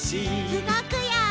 うごくよ！